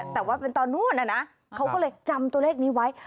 แต่ว่าเป็นตอนนู้นนะนะเขาก็เลยจำตัวเลขนี้ไว้